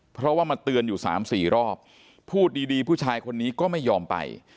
เพราะว่ามาเตือนอยู่สามสี่รอบพูดดีดีผู้ชายคนนี้ก็ไม่ยอมไป